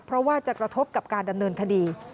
เพราะว่าจะกระทบกับการดำเนินคดี